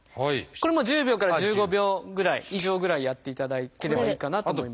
これも１０秒から１５秒ぐらい以上ぐらいやっていただければいいかなと。